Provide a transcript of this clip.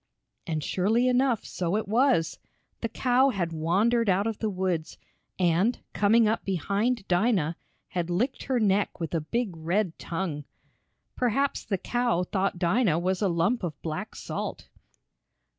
And, surely enough, so it was. The cow had wandered out of the woods, and, coming up behind Dinah, had licked her neck with a big red tongue. Perhaps the cow thought Dinah was a lump of black salt!